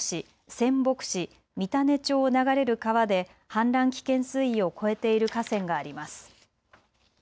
仙北市、三種町を流れる川で氾濫危険水位を超えている河川があります。